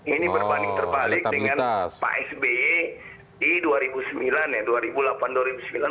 ini berbanding terbalik dengan pak sby di dua ribu sembilan ya